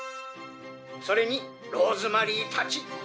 「それにローズマリーたち」